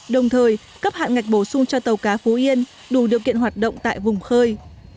đồng thời cấp hạn ngạch bổ sung cho tàu cá phú yên đủ điều kiện hoạt động tại vùng khơi